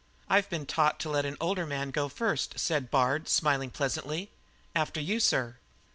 "I've been taught to let an older man go first," said Bard, smiling pleasantly. "After you, sir."